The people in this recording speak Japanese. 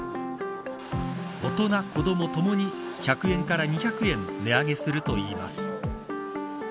大人、子ども共に１００円から２００円値上げするといいます。